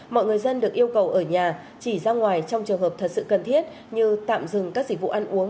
mọi người dân được yêu cầu ở nhà chỉ ra ngoài trong trường hợp thật sự cần thiết như tạm dừng các dịch vụ ăn uống